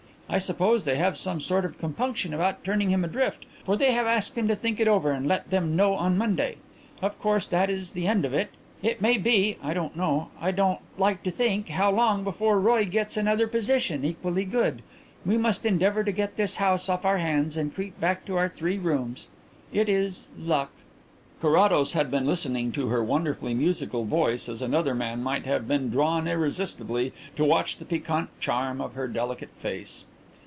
I suppose they have some sort of compunction about turning him adrift, for they have asked him to think it over and let them know on Monday. Of course, that is the end of it. It may be I don't know I don't like to think, how long before Roy gets another position equally good. We must endeavour to get this house off our hands and creep back to our three rooms. It is ... luck." Carrados had been listening to her wonderfully musical voice as another man might have been drawn irresistibly to watch the piquant charm of her delicate face.